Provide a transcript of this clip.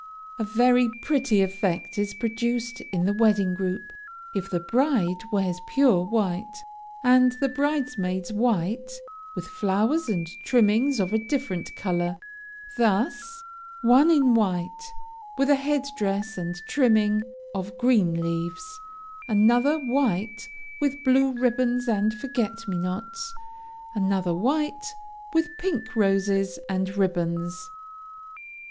A very pretty effect is produced in the wedding group, if the bride wears pure white, and the bridesmaids white, with flowers and trimmings of a different color. Thus, one in white, with a head dress and trimming of green leaves; another, white, with blue ribbons and forget me nots; another, white, with pink roses and ribbons.